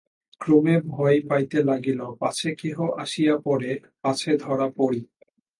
ক্রমে ভয় হইতে লাগিল পাছে কেহ আসিয়া পড়ে, পাছে ধরা পড়ি।